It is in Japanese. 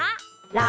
「ラ！」。